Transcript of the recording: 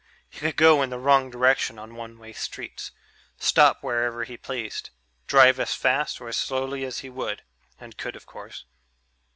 He could go in the wrong direction on one way streets, stop wherever he pleased, drive as fast or as slowly as he would (and could, of course).